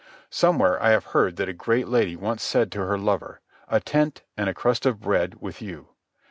Somewhere I have heard that a great lady once said to her lover: "A tent and a crust of bread with you."